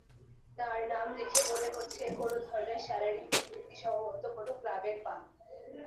তার নাম দেখে মনে হচ্ছে কোন ধরনের শারীরিক বিকৃতি, সম্ভবত কোন ক্লাবের পা।